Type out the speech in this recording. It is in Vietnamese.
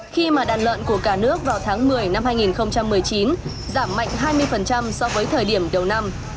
khi mà đàn lợn của cả nước vào tháng một mươi năm hai nghìn một mươi chín giảm mạnh hai mươi so với thời điểm đầu năm